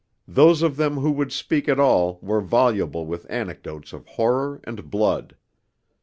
Those of them who would speak at all were voluble with anecdotes of horror and blood.